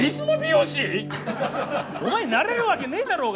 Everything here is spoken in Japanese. お前になれるわけねえだろうがよ。